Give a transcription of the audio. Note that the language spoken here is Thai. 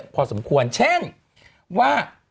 พอสมควรเช่นว่า